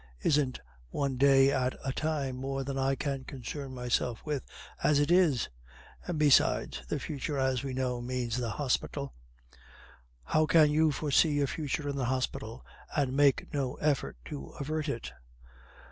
Isn't one day at a time more than I can concern myself with as it is? And besides, the future, as we know, means the hospital." "How can you forsee a future in the hospital, and make no effort to avert it?"